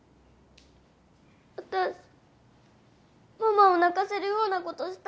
私ママを泣かせるようなことした？